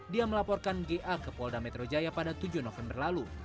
dia melaporkan ga ke polda metro jaya pada tujuh november lalu